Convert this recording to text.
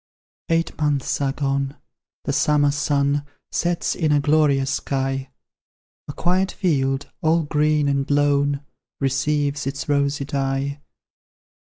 Eight months are gone, the summer sun Sets in a glorious sky; A quiet field, all green and lone, Receives its rosy dye.